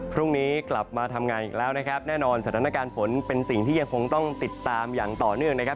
พรุ่งนี้กลับมาทำงานอีกแล้วนะครับแน่นอนสถานการณ์ฝนเป็นสิ่งที่ยังคงต้องติดตามอย่างต่อเนื่องนะครับ